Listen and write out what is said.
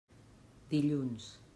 Dilluns.